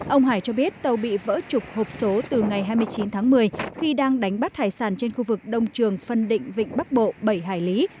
ông hải cho biết tàu bị vỡ trục hộp số từ ngày hai mươi chín tháng một mươi khi đang đánh bắt hải sản trên khu vực đông trường phân định vịnh bắc bộ bảy hải lý